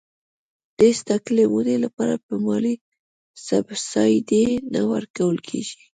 د هیڅ ټاکلي مودې لپاره به مالي سبسایډي نه ورکول کېږي.